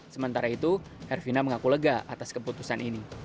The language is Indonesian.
sementara itu herfina mengaku lega atas keputusan ini